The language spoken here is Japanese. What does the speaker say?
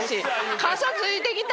傘ついてきた！